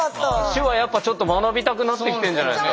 手話やっぱちょっと学びたくなってきてるんじゃないですか？